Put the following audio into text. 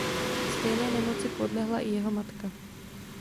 Stejné nemoci podlehla i jeho matka.